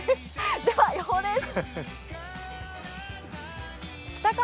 では、予報です。